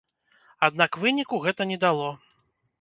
Аднак выніку гэта не дало.